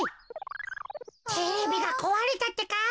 テレビがこわれたってか。